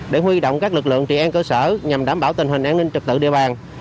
để huy động các lực lượng trị an cơ sở nhằm đảm bảo tình hình an ninh trực tự địa bàn